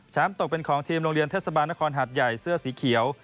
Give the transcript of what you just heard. ตกเป็นของทีมโรงเรียนเทศบาลนครหัดใหญ่เสื้อสีเขียว